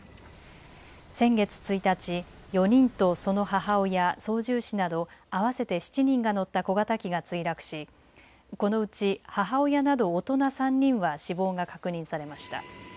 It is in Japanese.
先月１日、４人とその母親、操縦士など合わせて７人が乗った小型機が墜落しこのうち母親など大人３人は死亡が確認されました。